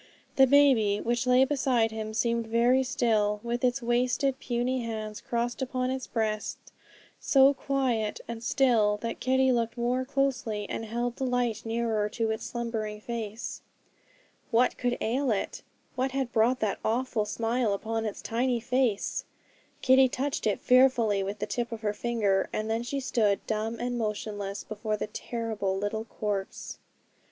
The baby, which lay beside him, seemed very still, with its wasted puny hands crossed upon its breast; so quiet and still that Kitty looked more closely, and held the light nearer to its slumbering face. What could ail it? What had brought that awful smile upon its tiny face? Kitty touched it fearfully with the tip of her finger; and then she stood dumb and motionless before the terrible little corpse.